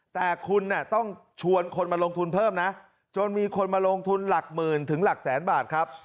แต่คุณต้องชวนคนมาลงทุนเพิ่มนะจนมีคนมาลงทุนหลักหมื่นถึงหลักแสนบาทครับ